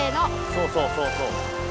そうそうそうそう。